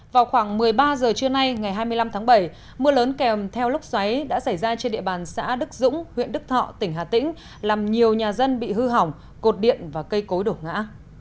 vào khoảng một mươi ba h trưa nay ngày hai mươi năm tháng bảy mưa lớn kèm theo lốc xoáy đã xảy ra trên địa bàn xã đức dũng huyện đức thọ tỉnh hà tĩnh làm nhiều nhà dân bị hư hỏng cột điện và cây cối đổ ngã